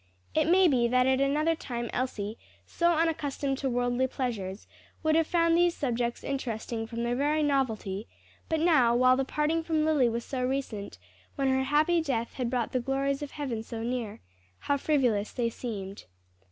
It may be that at another time Elsie, so unaccustomed to worldly pleasures, would have found these subjects interesting from their very novelty; but now while the parting from Lily was so recent, when her happy death had brought the glories of heaven so near, how frivolous they seemed.